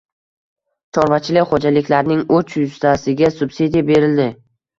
Chorvachilik xo‘jaliklarining uch yuztasiga subsidiya berildi